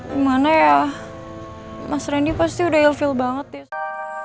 gimana ya mas randy pasti udah ilfie banget ya